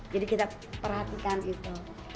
kita perhatikan itu